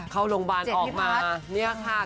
เข้าโรงพยาบาลออกมาเนี่ยค่ะ